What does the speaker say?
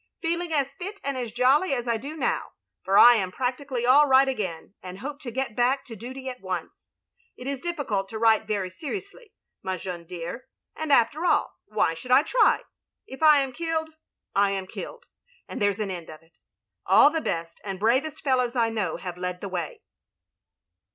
Feeling as fit and as jolly as I dp now, for I am practically all right again and hope to get back to duty at once, it is difficult to write very seriously, my Jeannie dear, and after all, why should I try? If I am killed, I am killed — and there *s an end of it. All the best and bravest fellows I know, have led the way.